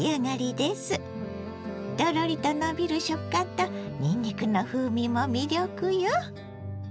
トロリとのびる食感とにんにくの風味も魅力よ。